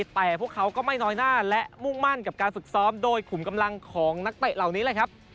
แต่พวกเขาก็ไม่น้อยหน้าและมุ่งมั่นกับการฝึกซ้อมโดยขุมกำลังของนักเตะเหล่านี้แหละครับ